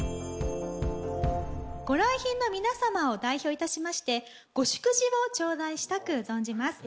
ご来賓の皆様を代表いたしましてご祝辞をちょうだいしたく存じます。